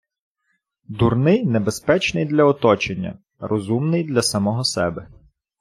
Дурний небезпечний для оточення. Розумний — для самого себе.